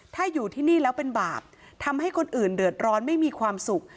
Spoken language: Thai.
ถ้าอยู่ที่นี่แล้วเป็นบาปทำให้คนอื่นเดือดร้อนไม่มีความสุข